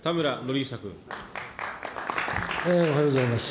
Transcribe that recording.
おはようございます。